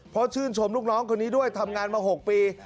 เพราะชื่นชมลูกน้องคนนี้ด้วยทำงานมา๖ปี